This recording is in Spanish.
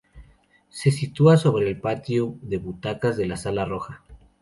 Se sitúa sobre el patio de butacas de la Sala Roja.